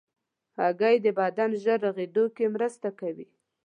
هګۍ د بدن ژر رغېدو کې مرسته کوي.